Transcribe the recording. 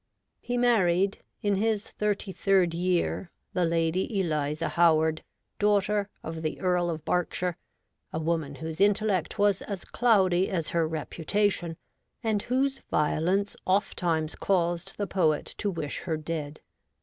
He married, in his thirty third year, the Lady Eliza Howard, daughter of the Earl of Berkshire, a woman whose intellect was as cloudy as her reputation, and whose violence ofttimes caused the poet to wish her dead.